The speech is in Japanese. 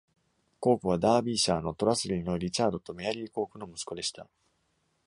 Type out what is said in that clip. コークはダービーシャーのトラスリーのリチャードとメアリーコークの息子でした。